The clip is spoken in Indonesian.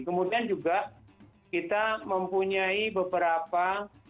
kemudian juga kita mempunyai beberapa